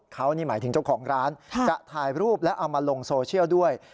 เขานี่หมายถึงเจ้าของร้านจะถ่ายรูปแล้วเอามาลงโซเชียลด้วย